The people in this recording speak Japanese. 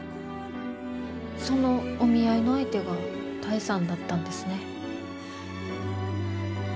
そのお見合いの相手が多江さんだったんですね。